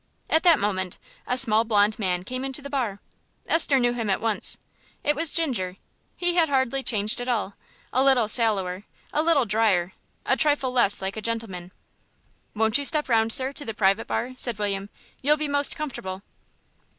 At that moment a small blond man came into the bar. Esther knew him at once. It was Ginger. He had hardly changed at all a little sallower, a little dryer, a trifle less like a gentleman. "Won't you step round, sir, to the private bar?" said William. "You'll be more comfortable."